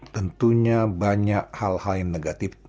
tentunya banyak hal hal yang negatif